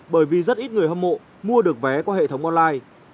bởi vì rất ít người hâm mộ mua được vé qua hệ thống online